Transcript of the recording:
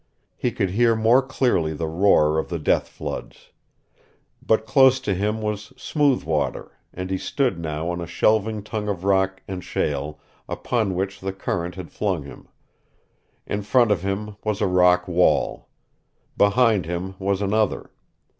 He could hear more clearly the roar of the death floods. But close to him was smooth water, and he stood now on a shelving tongue of rock and shale, upon which the current had flung him. In front of him was a rock wall. Behind him was another.